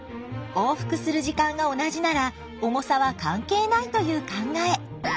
往復する時間が同じなら重さは関係ないという考え。